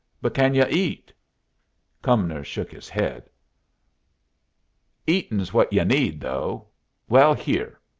But can y'u eat?" Cumnor shook his head. "Eatin's what y'u need, though. Well, here."